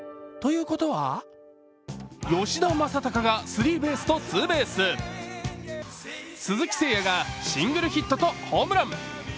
吉田正尚がスリーベースとツーベース、鈴木誠也がシングルヒットとホームラン。